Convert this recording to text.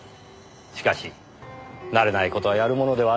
しかし慣れない事はやるものではありませんねぇ。